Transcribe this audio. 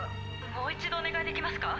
もう一度お願いできますか？